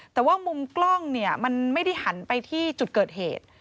แต่ว่ามุมกล้องเนี่ยมันไม่ได้หันไปที่จุดเกิดเหตุ